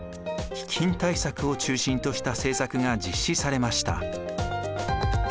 飢饉対策を中心とした政策が実施されました。